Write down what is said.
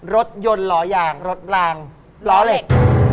รถยนต์ล้อยางรถรางล้อเหล็ก